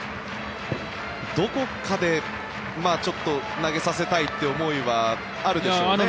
どこかでちょっと投げさせたいという思いはあるでしょうね。